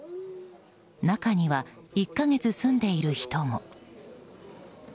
中には、１か月住んでいる人も。